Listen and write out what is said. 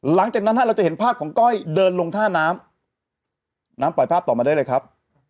หลังจากนั้นเราจะเห็นภาพของก้อยเดินลงท่าน้ำน้ำปล่อยภาพต่อมาได้เลยครับ